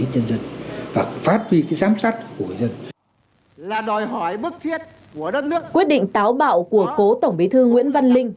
cố tổng bí thư nguyễn văn linh